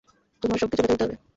তোমার সবকিছুর ব্যাখ্যা দিতে হবে।